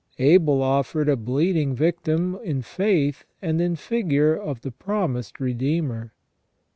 Abel offered a bleeding victim in faith and in figure of the promised Redeemer.